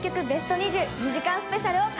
ベスト２０２時間スペシャル